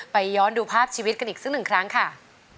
ไปย้อนดูภาพชีวิตกันอีกซึ่ง๑ครั้งค่ะ